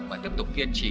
mà tiếp tục kiên trì